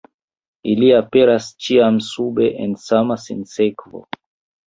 Ili aperas ĉiam sube en sama sinsekvo.